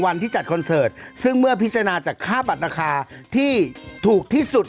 วันที่จัดคอนเสิร์ตซึ่งเมื่อพิจารณาจากค่าบัตรราคาที่ถูกที่สุด